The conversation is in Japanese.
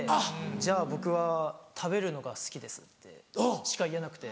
じゃあ僕は食べるのが好きですしか言えなくて。